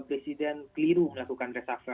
kalau presiden keliru melakukan reshuffle